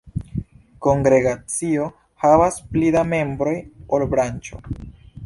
Kongregacio havas pli da membroj ol branĉo.